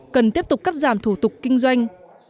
cần tiếp tục cắt giảm thủ tục kinh doanh